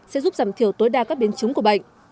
sẽ giúp giảm thiểu tối đa các biến chứng của bệnh